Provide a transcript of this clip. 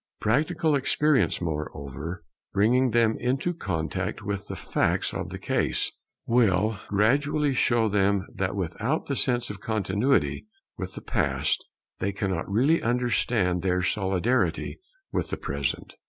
Practical experience, moreover, bringing them into contact with the facts of the case, will gradually show them that without the sense of continuity with the Past they cannot really understand their solidarity with the Present.